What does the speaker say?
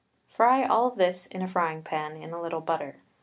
Fry all this in a frying pan, in a little butter.